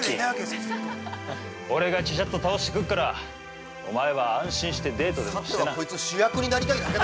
◆俺がチャチャッと倒してくっからおまえは安心してデートでもしてな。